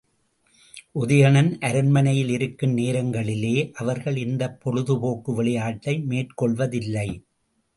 உதயணன் அரண்மனையில் இருக்கும் நேரங்களிலே அவர்கள் இந்தப் பொழுது போக்கு விளையாட்டை மேற்கொள்வதில்லை.